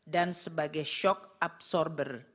dan sebagai shock absorber